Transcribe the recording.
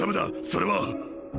それは！